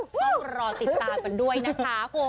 ต้องรอติดตามกันด้วยนะคะ